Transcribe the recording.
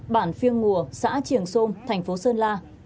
bản phiêng ngùa xã trường sôm thành phố sơn la